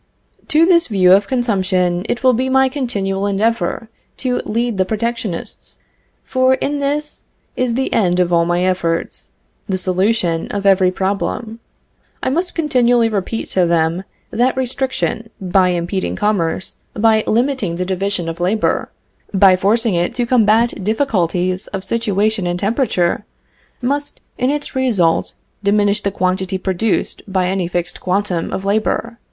To this view of consumption, it will be my continual endeavor to lead the protectionists; for in this is the end of all my efforts, the solution of every problem. I must continually repeat to them that restriction, by impeding commerce, by limiting the division of labor, by forcing it to combat difficulties of situation and temperature, must in its results diminish the quantity produced by any fixed quantum of labor.